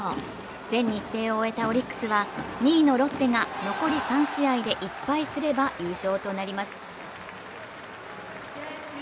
全日程を終えたオリックスは２位のロッテが残り３試合で１敗すれば優勝となります。